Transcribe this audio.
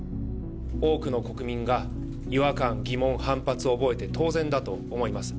多くの国民が違和感、疑問、反発を覚えて当然だと思います。